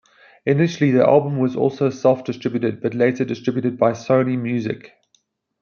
Initially the album was also self-distributed, but later distributed by Sony Music.